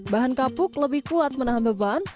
bahan kapuk lebih kuat menahan beban